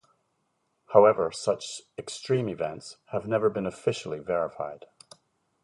However, such extreme events have never been officially verified.